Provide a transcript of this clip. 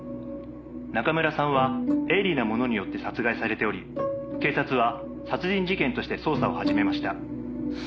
「中村さんは鋭利な物によって殺害されており警察は殺人事件として捜査を始めました」